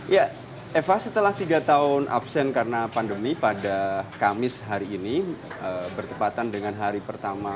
ya eva setelah tiga tahun absen karena pandemi pada kamis hari ini bertepatan dengan hari pertama